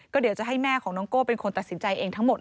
เดี๋ยวจะให้แม่ของน้องโก้เป็นคนตัดสินใจเองทั้งหมด